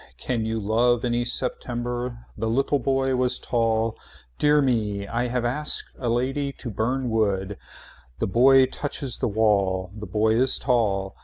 Can you love any September. The little boy was tall. Dear me. I have asked a lady to burn wood. The boy touches the wall. The boy is tall.